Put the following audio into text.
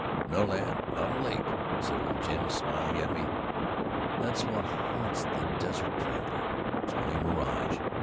"No, lad, not a lake," said old Jim, smiling at me; "that's what haunts the desert traveler. It's only mirage!"